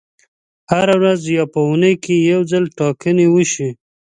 هره ورځ یا په اونۍ کې یو ځل ټاکنې وشي.